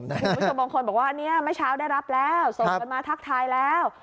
คุณผู้ชมบางคนบอกว่าเนี่ยเมื่อเช้าได้รับแล้วส่งกันมาทักทายแล้ว